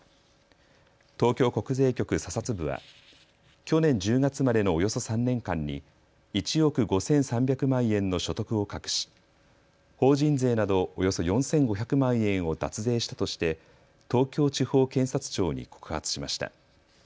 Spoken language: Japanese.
東京国税局査察部は去年１０月までのおよそ３年間に１億５３００万円の所得を隠し法人税などおよそ４５００万円を脱税したとして東京地方検察庁に告発しました。